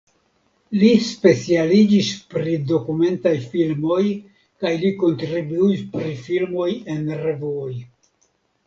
Li specialiĝis pri dokumentaj filmoj kaj li kontribuis pri filmoj en revuoj.